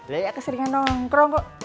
lihat keseringan orang kok